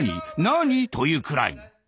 「何？」というくらいの。